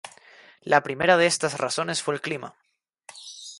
La primera de estas razones fue el clima.